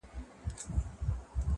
دا په وينو روزل سوی چمن زما دی-